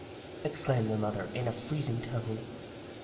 " exclaimed the mother, in a freez ing tone.